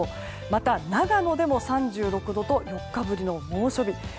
また、長野でも３６度と４日ぶりの猛暑日。